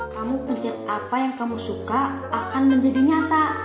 kamu kerja apa yang kamu suka akan menjadi nyata